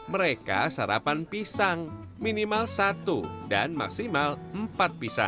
mereka sarapan pisang minimal satu dan maksimal empat pisang